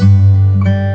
terima kasih ya mas